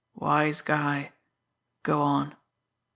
Wise guy! Go on!"